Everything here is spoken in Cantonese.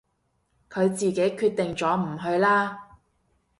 佢自己決定咗唔去啦